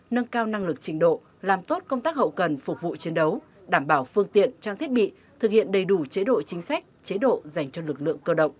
nâng cao năng lực trình độ làm tốt công tác hậu cần phục vụ chiến đấu đảm bảo phương tiện trang thiết bị thực hiện đầy đủ chế độ chính sách chế độ dành cho lực lượng cơ động